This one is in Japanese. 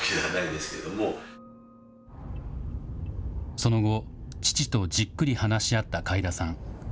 その後、父とじっくり話し合った開田さん。